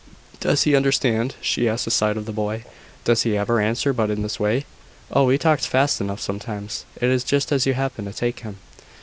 "Does he understand?" she asked aside of the boy. "Does he never answer but in this way?" "Oh! he talks fast enough sometimes. It is just as you happen to take him."